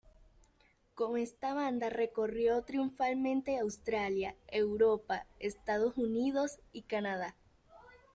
Con esta banda recorrió triunfalmente Australia, Europa, Estados Unidos y Canadá.